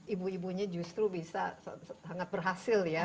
ibu ibunya justru bisa sangat berhasil ya